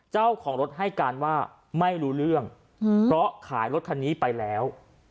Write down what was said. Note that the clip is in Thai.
เจ้าของรถให้การว่าไม่รู้เรื่องเพราะขายรถคันนี้ไปแล้ว